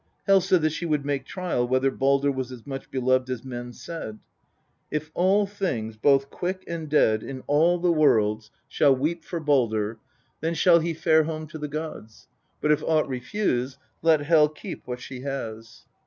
Hel said that she would make trial whether Baldr was as much beloved as men said ' If all things, both quick and dead, in all the worlds, LXIV THE POEtlC EDDA. shall weep for Baldr, then shall he fare home to the gods, but if aught refuse, let Hel keep what she has.'